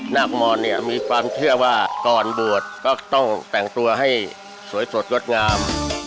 นาคมอนเนี่ยมีความเชื่อว่าก่อนบวชก็ต้องแต่งตัวให้สวยสดงดงาม